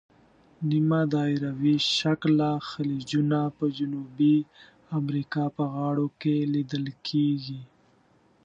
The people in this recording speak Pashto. نیمه دایروي شکله خلیجونه په جنوبي امریکا په غاړو کې لیدل کیږي.